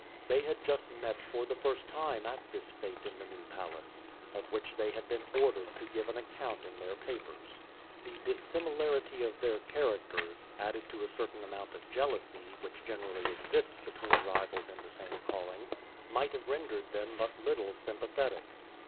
They had just met for the first time at this fête in the New Palace, of which they had been ordered to give an account in their papers. The dissimilarity of their characters, added to a certain amount of jealousy, which generally exists between rivals in the same calling, might have rendered them but little sympathetic.